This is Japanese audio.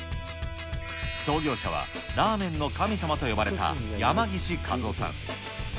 創業者はラーメンの神様と呼ばれた山岸一雄さん。